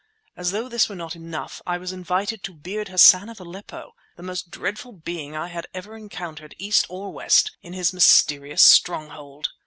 As though this were not enough, I was invited to beard Hassan of Aleppo, the most dreadful being I had ever encountered East or West, in his mysterious stronghold!